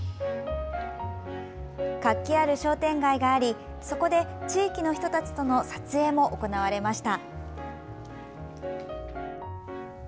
活気ある商店街がありそこで地域の人たちとの撮影も行われました。